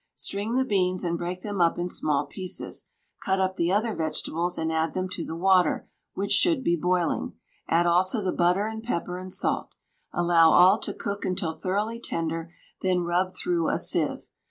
String the beans and break them up in small pieces, cut up the other vegetables and add them to the water, which should be boiling; add also the butter and pepper and salt. Allow all to cook until thoroughly tender, then rub through a sieve.